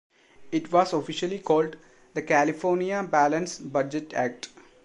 It was officially called the California Balanced Budget Act.